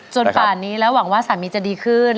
ป่านนี้แล้วหวังว่าสามีจะดีขึ้น